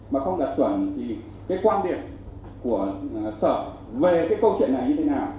mà không đạt chuẩn thì quan điểm của sở về câu chuyện này như thế nào